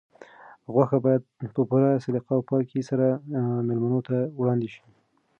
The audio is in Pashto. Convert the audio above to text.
غوښه باید په پوره سلیقه او پاکۍ سره مېلمنو ته وړاندې شي.